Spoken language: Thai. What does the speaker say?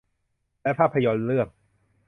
และภาพยนตร์เรื่อง